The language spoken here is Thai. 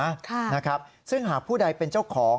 ค่ะนะครับซึ่งหากผู้ใดเป็นเจ้าของ